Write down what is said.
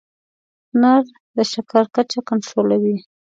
انار د شکر کچه کنټرولوي.